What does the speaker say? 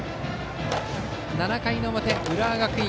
７回の表、浦和学院。